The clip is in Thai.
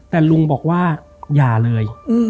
แต่ลุงบอกว่าอย่าเลย